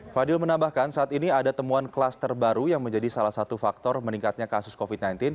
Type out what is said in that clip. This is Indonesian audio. fadil menambahkan saat ini ada temuan kelas terbaru yang menjadi salah satu faktor meningkatnya kasus covid sembilan belas